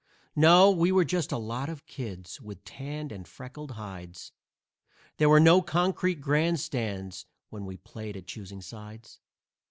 No, we were just a lot of kids, with tanned and freckled hides; There were no concrete grand stands when we played at "choosing sides."